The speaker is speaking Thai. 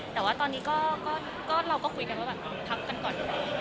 แต่ว่าตอนนี้ก็เราก็คุยกันว่าแบบพักกันก่อน